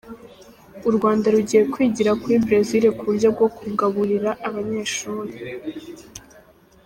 U Rwanda rugiye kwigira kuri Brezil ku buryo bwo kugaburira abanyeshuri